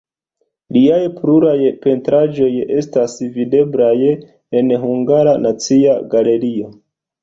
Liaj pluraj pentraĵoj estas videblaj en Hungara Nacia Galerio.